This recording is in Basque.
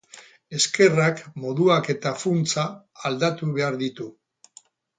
Ezkerrak moduak eta funtsa aldatu behar ditu.